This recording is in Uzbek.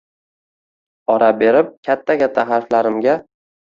Oro berib katta-katta harflarimga